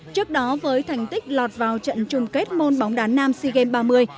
trước đó với thành tích lọt vào trận chung kết môn bóng đá nam sea games ba mươi